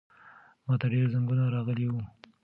ماته ډېر زنګونه راغلي وو.